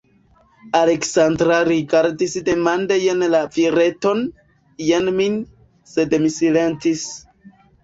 Aleksandra rigardis demande jen la vireton, jen min, sed mi silentis.